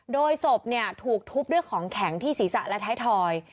โดยศพถูกทุบด้วยของแข็งที่ศีรษะและท้ายทอย